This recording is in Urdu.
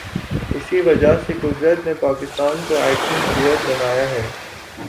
اسی وجہ سے قدرت نے پاکستان کو ایٹمی قوت بنایا ہے۔